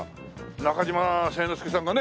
中島誠之助さんがね